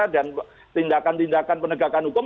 dan tindakan tindakan penegakan hukum